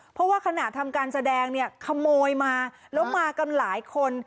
เพราะว่าขณะทำการแสดงเนี่ยขโมยมาแล้วมากันหลายคน